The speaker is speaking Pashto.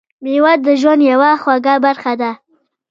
میوه د ژوند یوه خوږه برخه ده.